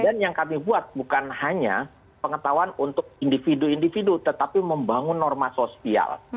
dan yang kami buat bukan hanya pengetahuan untuk individu individu tetapi membangun norma sosial